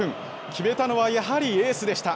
決めたのはやはりエースでした。